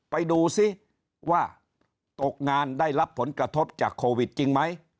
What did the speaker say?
ไปดูซิว่าตกงานได้รับผลกระทบจากโควิดจริงไหม